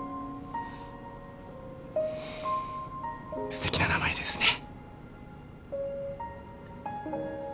すてきな名前ですね。